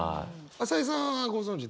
朝井さんはご存じですか？